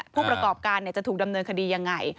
ผู้ประกอบการจะถูกดำเนินคดียังไง